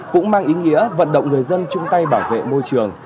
cũng mang ý nghĩa vận động người dân chung tay bảo vệ môi trường